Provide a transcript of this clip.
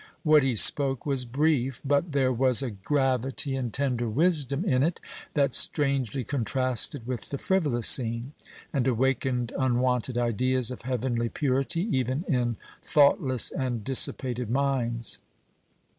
What he spoke was brief; but there was a gravity and tender wisdom in it that strangely contrasted with the frivolous scene, and awakened unwonted ideas of heavenly purity even in thoughtless and dissipated minds.